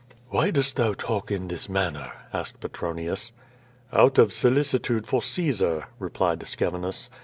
"Why dost thou talk in this manner?" asked Petronius. "Out of solicitude for Caesar,'* replied Scevinus.